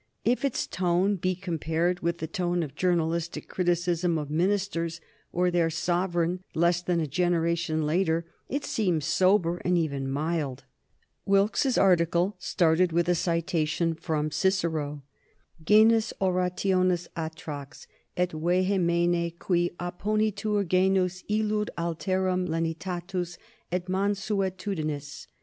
If its tone be compared with the tone of journalistic criticism of ministers or their sovereign less than a generation later, it seems sober and even mild. Wilkes's article started with a citation from Cicero: "Genus orationis atrox et vehemena, cui opponitur genus illud alterum lenitatis et mansuetudinis."